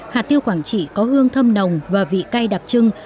hạt tiêu quảng trị có hương thâm nồng và vị cay đặc trưng